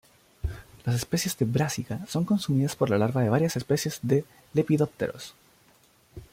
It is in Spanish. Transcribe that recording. Las especies de "Brassica" son consumidas por la larva de varias especies de lepidópteros.